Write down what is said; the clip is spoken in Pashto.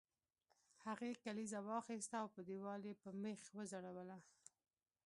هغې کلیزه واخیسته او په دیوال یې په میخ وځړوله